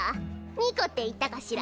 ニコっていったかしら。